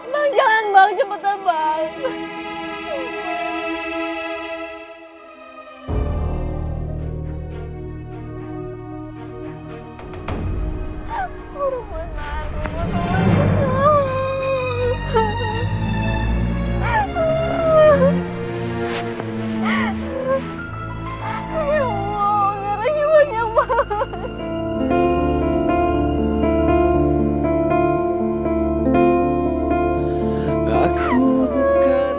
biar darahnya gak banyak keluar